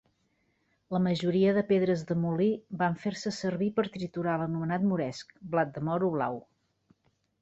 La majoria de pedres de molí van fer-se servir per triturar l'anomenat moresc "blat de moro blau".